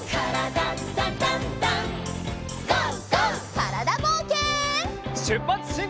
からだぼうけん。